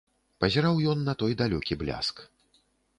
Пазіраў ён на той далёкі бляск.